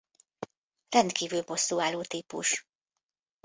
Rendkívül bosszúálló típus.